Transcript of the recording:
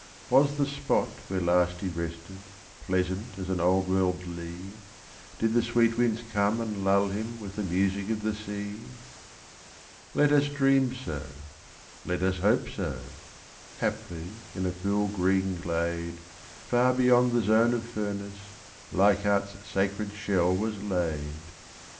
Was the spot where last he rested pleasant as an old world lea? Did the sweet winds come and lull him with the music of the sea? Let us dream so let us hope so! Haply in a cool green glade, Far beyond the zone of furnace, Leichhardt's sacred shell was laid!